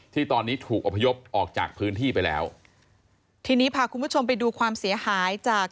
ที่ตอนนี้ถูกอพยพออกจากพื้นที่ไปแล้วทีนี้พาคุณผู้ชมไปดูความเสียหายจาก